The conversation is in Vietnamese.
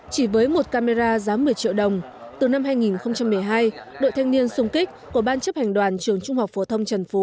chỉ với một camera giá một mươi triệu đồng từ năm hai nghìn một mươi hai đội thanh niên sung kích của ban chấp hành đoàn trường trung học phổ thông trần phú